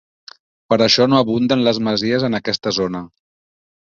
Per això no abunden les masies en aquesta zona.